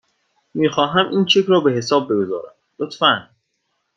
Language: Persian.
میخواهم این چک را به حساب بگذارم، لطفاً.